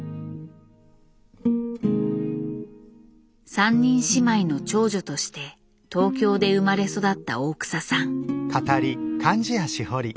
３人姉妹の長女として東京で生まれ育った大草さん。